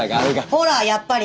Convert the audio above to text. ほらやっぱり！